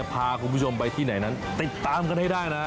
พาคุณผู้ชมไปที่ไหนนั้นติดตามกันให้ได้นะ